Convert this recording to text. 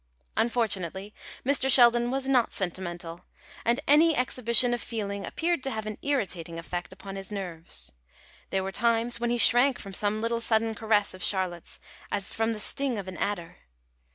Unfortunately Mr. Sheldon was not sentimental, and any exhibition of feeling appeared to have an irritating effect upon his nerves. There were times when he shrank from some little sudden caress of Charlotte's as from the sting of an adder.